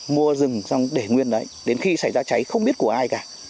mua rừng xong để nguyên đấy đến khi xảy ra cháy không biết của ai cả